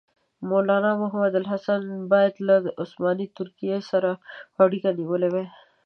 مولنا محمودالحسن باید له عثماني ترکیې سره اړیکه نیولې وای.